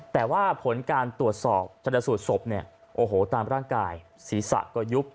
แต่ว่าผลการตรวจสอบชนสูตรศพเนี่ยโอ้โหตามร่างกายศีรษะก็ยุบ